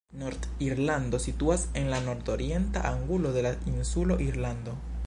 Nord-Irlando situas en la nord-orienta angulo de la insulo Irlando.